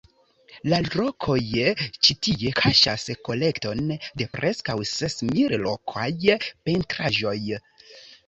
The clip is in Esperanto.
La rokoj ĉi tie kaŝas kolekton de preskaŭ ses mil rokaj pentraĵoj.